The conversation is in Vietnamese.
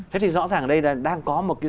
thế thì rõ ràng ở đây là đang có một cái